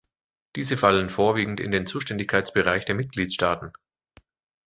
Diese fallen vorwiegend in den Zuständigkeitsbereich der Mitgliedstaaten.